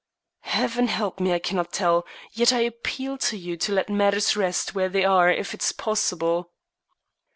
"Heaven help me, I cannot tell. Yet I appeal to you to let matters rest where they are if it is possible."